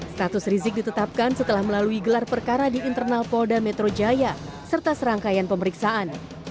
status rizik ditetapkan setelah melalui gelar perkara di internal polda metro jaya serta serangkaian pemeriksaan